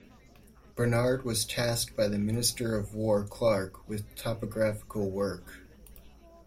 Bernard was tasked by the minister of war Clarke with topographical work.